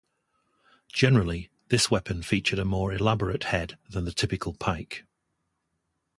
Generally, this weapon featured a more elaborate head than the typical pike.